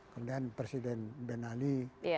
kemudian presiden ben ali